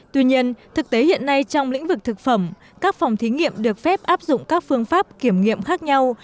tuy nhiên thực tế hiện nay trong lĩnh vực thực phẩm các phòng thí nghiệm được phép áp dụng các phương pháp kiểm nghiệm khác nhau